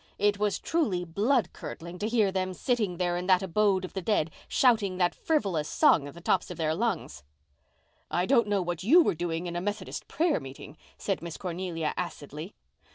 It was truly blood curdling to hear them sitting there in that abode of the dead, shouting that frivolous song at the tops of their lungs." "I don't know what you were doing in a Methodist prayer meeting," said Miss Cornelia acidly.